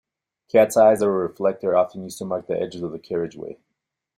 Cats eyes are a reflector often used to mark the edges of the carriageway